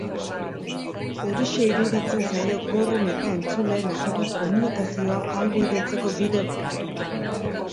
Horixe iruditzen zaio gorren eta entzuleen arteko komunikazioa ahalbidetzeko bide bakarra.